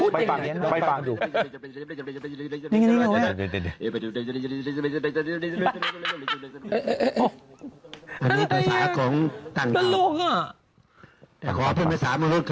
ไปฟังดู